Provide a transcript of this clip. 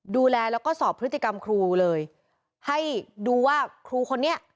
ดูแลแล้วก็สอบพฤติกรรมครูเลยให้ดูว่าครูคนนี้